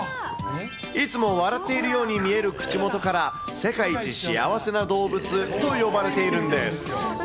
いつも笑っているように見える口元から、世界一幸せな動物と呼ばれているんです。